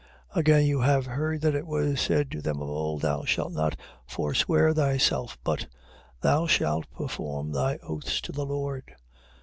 5:33. Again you have heard that it was said to them of old, thou shalt not forswear thyself: but thou shalt perform thy oaths to the Lord.